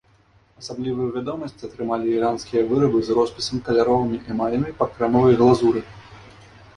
Асаблівую вядомасць атрымалі іранскія вырабы з роспісам каляровымі эмалямі па крэмавай глазуры.